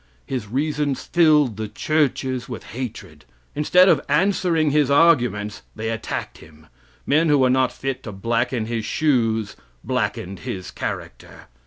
His reasons filled the churches with hatred. Instead of answering his arguments they attacked him. Men who were not fit to blacken his shoes blackened his character.